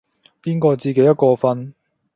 邊個自己一個瞓